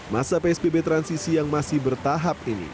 masa psbb transisi yang masih bertahap ini